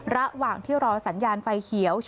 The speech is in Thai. ระหว่างที่รอสัญญาณไฟเขียว